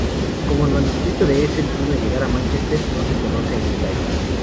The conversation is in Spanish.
Cómo el manuscrito de Essen pudo llegar a Manchester, no se conoce en detalle.